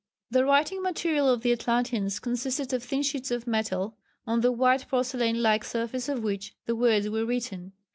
The writing material of the Atlanteans consisted of thin sheets of metal, on the white porcelain like surface of which the words were written.